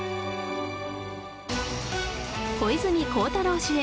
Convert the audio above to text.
小泉孝太郎主演。